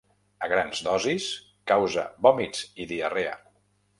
A grans dosis causa vòmits i diarrea.